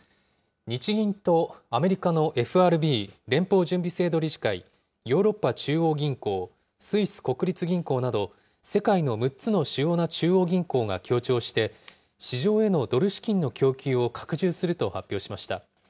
日銀とアメリカのＦＲＢ・連邦準備制度理事会、ヨーロッパ中央銀行、スイス国立銀行など、世界の６つの主要な中央銀行が協調して、市場へのドル資金の供給を拡充すると発表しました。